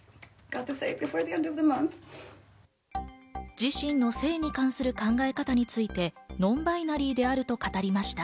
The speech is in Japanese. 自身の性に関する考え方についてノンバイナリーであると語りました。